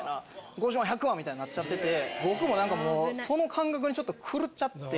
５０万１００万みたいになっちゃってて僕も何かもうその感覚にちょっと狂っちゃって。